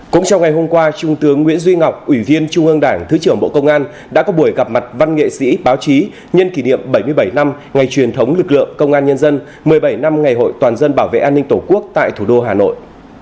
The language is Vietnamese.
cũng trong ngày hôm qua trung tướng nguyễn duy ngọc ủy viên trung ương đảng thứ trưởng bộ công an đã có buổi gặp mặt văn nghệ sĩ báo chí nhân kỷ niệm bảy mươi bảy năm ngày truyền thống lực lượng công an nhân dân một mươi bảy năm ngày hội toàn dân bảo vệ an ninh tổ quốc tại thủ đô hà nội